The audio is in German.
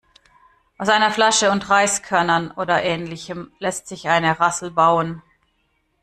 Aus einer Flasche und Reiskörnern oder Ähnlichem lässt sich eine Rassel bauen.